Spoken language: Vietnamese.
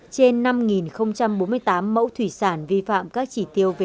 trên năm bốn mươi tám mẫu thủy sản vi phạm các chỉ tiêu về hóa chất